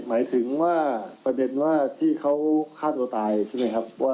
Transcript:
หมายถึงว่าประเด็นว่าที่เขาฆ่าตัวตายใช่ไหมครับว่า